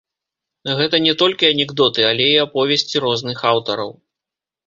Гэта не толькі анекдоты, але і аповесці розных аўтараў.